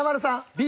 Ｂ。